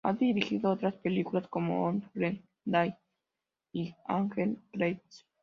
Ha dirigido otras películas como "On a Clear Day" y "Angels Crest".